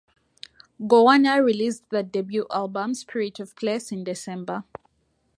Goanna released their debut album, "Spirit of Place", in December.